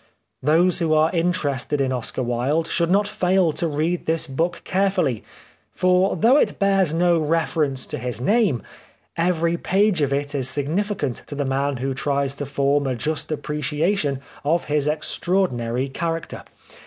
Those who are in terested in Oscar Wilde should not fail to read this book carefully, for though it bears no re ference to his name, every page of it is significant to the man who tries to form a just appreciation of his extraordinary character.